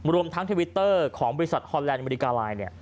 รวมทั้งทวิตเตอร์ของบริษัทฮอนแลนดอเมริกาไลน์